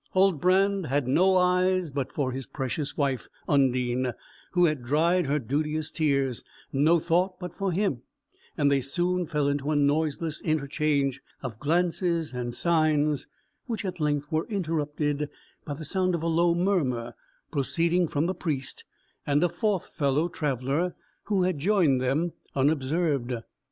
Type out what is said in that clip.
Huldbrand had no eyes but for his precious wife; Undine, who had dried her duteous tears, no thought but for him; and they soon fell into a noiseless interchange of glances and signs, which at length was interrupted by the sound of a low murmur, proceeding from the Priest and a fourth fellow traveller, who had joined them unobserved.